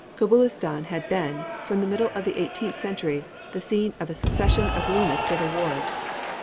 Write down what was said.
Cabulistan had been, from the middle of the eighteenth century, the scene of a succession of ruinous civil wars.